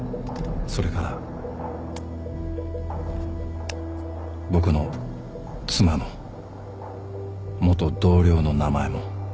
それから僕の妻の元同僚の名前も。